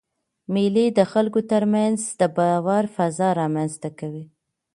مېلې د خلکو تر منځ د باور فضا رامنځ ته کوي.